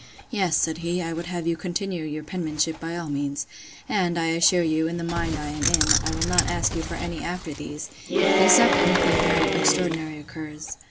Yes, said he, I would have you continue your penmanship by all means; and, I assure you, in the mind I am in, I will not ask you for any after these; except any thing very extraordinary occurs.